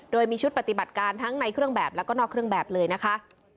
โดยมีชุดปฏิบัติการทั้งในเครื่องแบบแล้วก็นอกเครื่องแบบเลยนะคะ